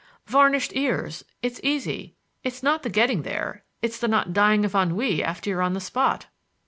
"Varnished ears. It's easy. It's not the getting there; it's the not dying of ennui after you're on the spot."